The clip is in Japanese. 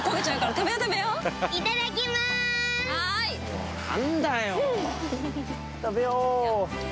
食べよう。